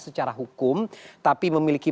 secara hukum tapi memiliki